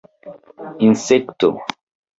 insekto